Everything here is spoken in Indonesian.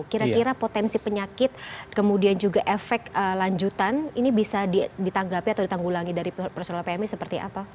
kira kira potensi penyakit kemudian juga efek lanjutan ini bisa ditanggapi atau ditanggulangi dari personal pmi seperti apa